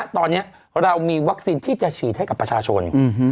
ตอนนี้เรามีวัคซีนที่จะฉีดให้กับประชาชน